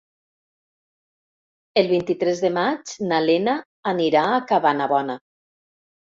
El vint-i-tres de maig na Lena anirà a Cabanabona.